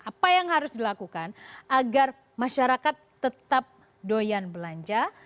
apa yang harus dilakukan agar masyarakat tetap doyan belanja